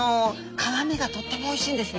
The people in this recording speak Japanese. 皮身がとってもおいしいんですね。